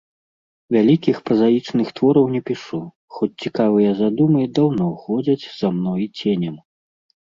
Вялікіх празаічных твораў не пішу, хоць цікавыя задумы даўно ходзяць за мной ценем.